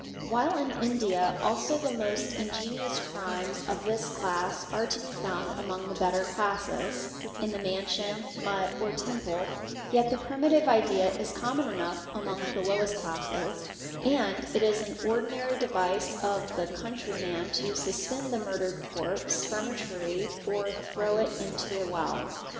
While in India also the most ingen ous crimes of this class are to be found among the better classes, in the Mansion, mutt, or temple, yet the primitive idea is common enough mong the lowest classes; and it is an ordinary device of the country man to suspend the murdered corpse from a tree or throw it into a well.